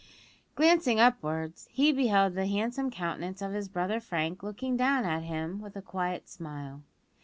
Glancing upwards, he beheld the handsome countenance of his brother Frank looking down at him with a quiet smile.